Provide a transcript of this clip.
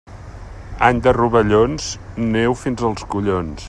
Any de rovellons, neu fins als collons.